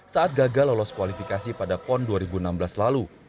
saat gagal lolos kualifikasi pada pon dua ribu enam belas lalu